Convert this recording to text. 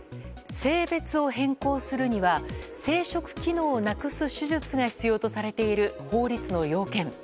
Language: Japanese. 性別を変更するには生殖機能をなくす手術が必要とされている法律の要件。